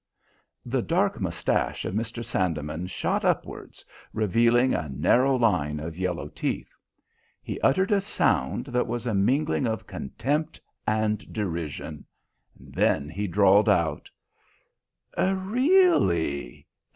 The dark moustache of Mr. Sandeman shot upwards, revealing a narrow line of yellow teeth. He uttered a sound that was a mingling of contempt and derision; then he drawled out: "Really?